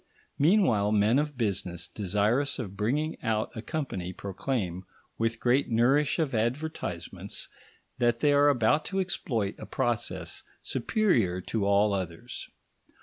Meanwhile, men of business desirous of bringing out a company proclaim, with great nourish of advertisements, that they are about to exploit a process superior to all others.